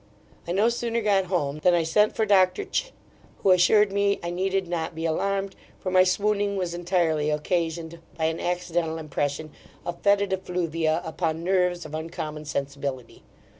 I no sooner got home, than I sent for Doctor Ch , who assured me I needed not be alarmed, for my swooning was entirely occasioned by an accidental impression of fetid effluvia upon nerves of uncommon sensibility.